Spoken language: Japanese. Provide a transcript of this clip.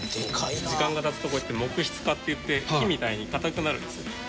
時間が経つとこうやって木質化っていって木みたいに硬くなるんです。